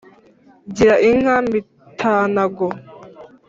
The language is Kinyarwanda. gira inka mitanago